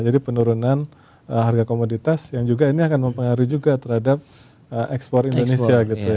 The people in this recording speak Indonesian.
jadi penurunan harga komoditas yang juga ini akan mempengaruhi juga terhadap ekspor indonesia gitu ya